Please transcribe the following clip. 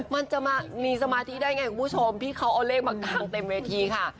มันจะมีสมาธิได้ไงคุณผู้ชมที่เขาเอาเลขมากางเต็มเวทีค่ะ